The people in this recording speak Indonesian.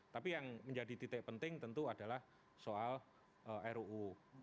tapi yang menjadi titik penting tentu adalah soal ruu